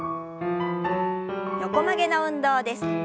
横曲げの運動です。